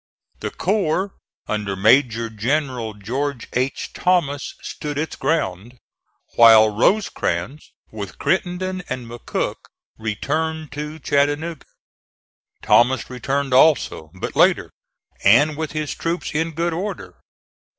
The corps under Major General George H. Thomas stood its ground, while Rosecrans, with Crittenden and McCook, returned to Chattanooga. Thomas returned also, but later, and with his troops in good order.